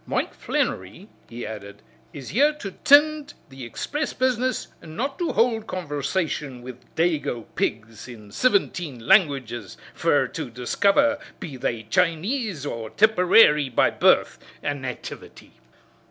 Mike Flannery," he added, "is here to tind to the expriss business and not to hould conversation wid dago pigs in sivinteen languages fer to discover be they Chinese or Tipperary by birth an' nativity."